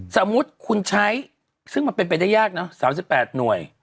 สมมุติคุณใช้ซึ่งมันเป็นไปได้ยากนะ๓๘หน่วย